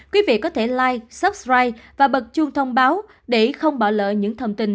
quý vị có thể like subscribe và bật chuông thông báo để không bỏ lỡ những thông tin